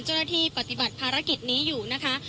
เจ้าหน้าที่ปฏิบัติภารกิจนี้อยู่นะคะ